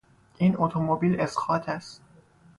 این اتوموبیل اسقاط است